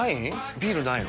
ビールないの？